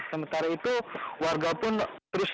sementara itu warga pun terus